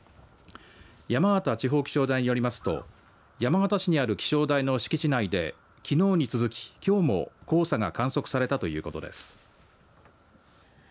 山形地方気象台によりますと山形市にある気象台の敷地内できのうに続き、きょうも黄砂が観測されたということです。